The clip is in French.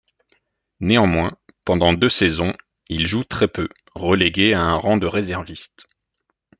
Néanmoins, pendant deux saisons, il joue très peu, relégué à un rang de réserviste.